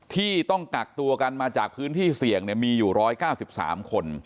ที่ต้องกักตัวกันมาจากพื้นที่เสี่ยงมีอยู่๑๙๓คน